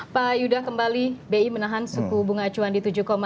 pak yuda kembali bi menahan suku bunga acuan di tujuh lima